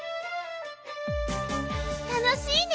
たのしいね！